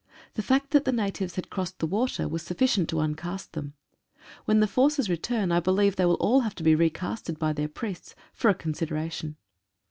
The fact that the natives had crossed the water was sufficient to uncaste them. When the forces return I believe they will all have to be recasted by their priests, for a con sideration.